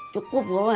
cukup lho mah